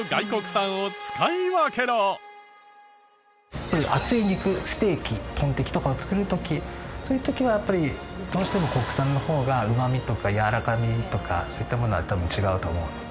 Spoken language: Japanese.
作るやっぱり厚い肉ステーキトンテキとかを作る時そういう時はやっぱりどうしても国産の方がうまみとかやわらかみとかそういったものは多分違うと思うので。